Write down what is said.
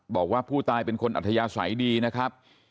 บอกว่าผู้ตายเป็นคนอัธยาศัยดีนะครับ